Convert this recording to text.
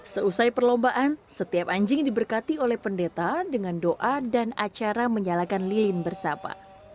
seusai perlombaan setiap anjing diberkati oleh pendeta dengan doa dan acara menyalakan lilin bersama